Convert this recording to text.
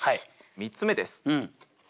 ３つ目です。